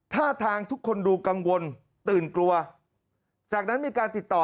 ท่าทางทุกคนดูกังวลตื่นกลัวจากนั้นมีการติดต่อ